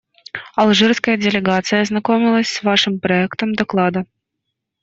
Алжирская делегация ознакомилась с Вашим проектом доклада.